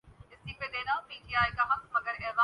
اکثر خراب مزاج میں ہوتا ہوں